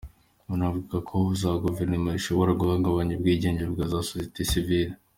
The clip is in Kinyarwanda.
Banavuga ko za Guverinoma zishobora guhungabanya ubwigenge bwa za Sosiyete sivile.